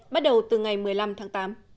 bắt đầu từ ngày một mươi năm tháng tám